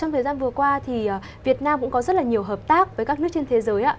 trong thời gian vừa qua thì việt nam cũng có rất là nhiều hợp tác với các nước trên thế giới